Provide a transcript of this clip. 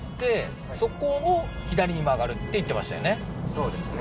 そうですね